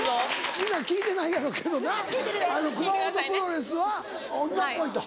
皆聞いてないやろけどな熊元プロレスは女っぽいと。